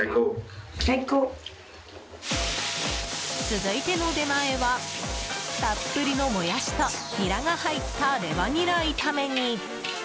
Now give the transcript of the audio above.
続いての出前はたっぷりのモヤシとニラが入ったレバニラ炒めに。